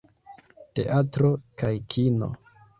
Teatro kaj kino.